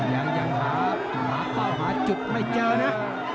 ยังยังหาหาเป้าหาจุดไม่เจอเนี่ย